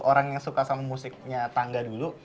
orang yang suka sama musiknya tangga dulu